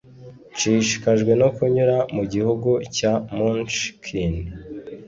nshishikajwe no kunyura mu gihugu cya munchkin